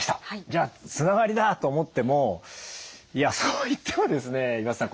じゃあつながりだ！と思ってもいやそう言ってもですね岩田さん